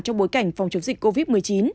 trong bối cảnh phòng chống dịch covid một mươi chín